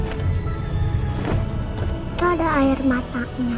itu ada air matanya